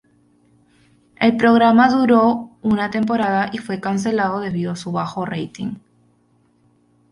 El programa duró una temporada y fue cancelado debido a su bajo rating.